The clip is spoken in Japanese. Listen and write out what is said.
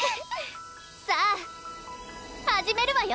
さあ始めるわよ！